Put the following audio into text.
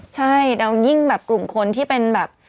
ใช่แล้วยิ่งแบบกลุ่มคนที่เป็นแบบ